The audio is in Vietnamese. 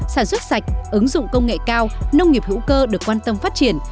sản xuất sạch ứng dụng công nghệ cao nông nghiệp hữu cơ được quan tâm phát triển